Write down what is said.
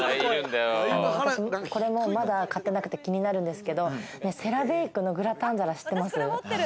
これも、まだ買ってなくて、気になるんですけど、セラベイクのグラタン皿、知ってます？